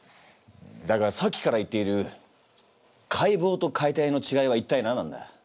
だがさっきから言っている解剖と解体のちがいは一体何なんだ？